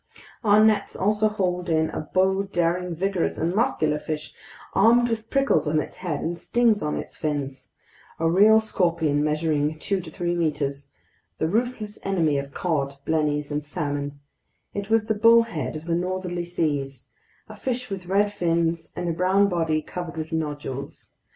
Our nets also hauled in a bold, daring, vigorous, and muscular fish armed with prickles on its head and stings on its fins, a real scorpion measuring two to three meters, the ruthless enemy of cod, blennies, and salmon; it was the bullhead of the northerly seas, a fish with red fins and a brown body covered with nodules.